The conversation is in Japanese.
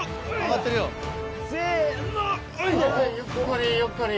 ゆっくりゆっくり。